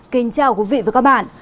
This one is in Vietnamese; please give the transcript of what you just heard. kính chào quý vị và các bạn